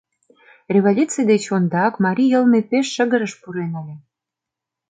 Революций деч ондак марий йылме пеш шыгырыш пурен ыле.